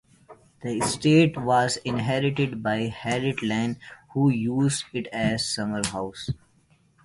The estate was inherited by Harriet Lane, who used it as a summer house.